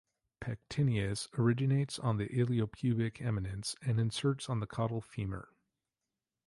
Pectineus: originates on the iliopubic eminence and inserts on the caudal femur.